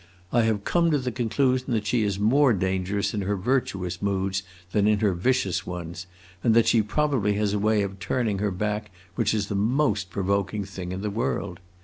I have come to the conclusion that she is more dangerous in her virtuous moods than in her vicious ones, and that she probably has a way of turning her back which is the most provoking thing in the world.